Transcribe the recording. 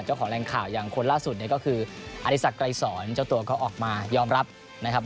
เจ้าของแรงข่าวอย่างคนล่าสุดเนี่ยก็คืออริสักไกรสอนเจ้าตัวก็ออกมายอมรับนะครับ